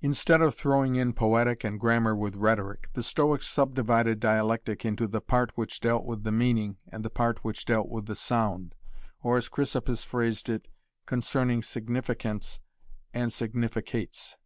Instead of throwing in poetic and grammar with rhetoric, the Stoics subdivided dialectic into the part which dealt with the meaning and the part which dealt with the sound, or as Chrysippus phrased it, concerning significants and significates.